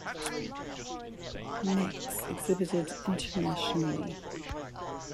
Maks exhibited internationally.